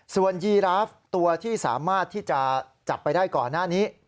ส่วนยีราฟตัวที่สามารถที่จะจับไปได้ก่อนหน้านี้